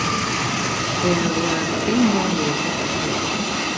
There were three more mills are the creak.